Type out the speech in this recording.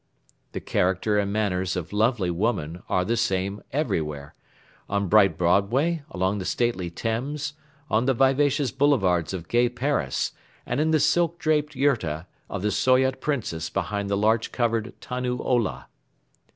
The character and manners of lovely woman are the same everywhere: on bright Broadway, along the stately Thames, on the vivacious boulevards of gay Paris and in the silk draped yurta of the Soyot Princess behind the larch covered Tannu Ola.